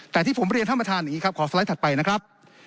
แต่ที่ผมเรียนท่านประธานอย่างนี้ครับขอสไลด์ถัดไปนะครับ